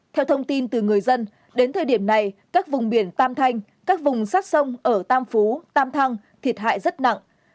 theo thông tin từ người dân đến thời điểm này các vùng biển tam thanh các vùng sát sông ở tam phú tam thăng thiệt hại rất nặng